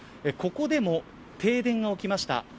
ここでも停電が起きました。